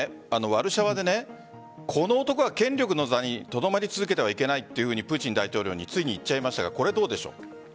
ワルシャワでこの男は権力の座にとどまり続けてはいけないというふうにプーチン大統領に言っちゃいましたがこれはどうでしょう。